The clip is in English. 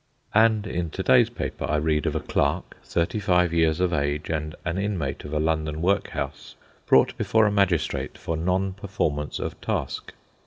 And in to day's paper I read of a clerk, thirty five years of age and an inmate of a London workhouse, brought before a magistrate for non performance of task.